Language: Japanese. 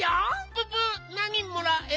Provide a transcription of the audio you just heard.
ププなにもらえる？